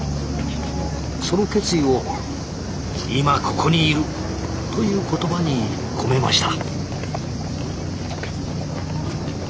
その決意を「今ここにいる」という言葉に込めました。